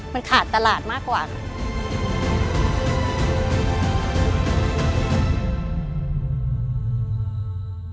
มันขาดตลาดมากกว่าค่ะ